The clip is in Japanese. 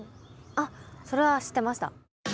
あっそれは知ってました。